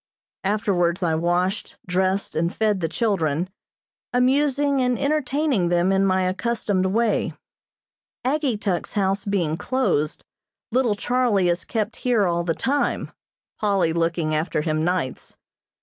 Afterwards I washed, dressed and fed the children, amusing and entertaining them in my accustomed way. Ageetuk's house being closed, little Charlie is kept here all the time, Polly looking after him nights.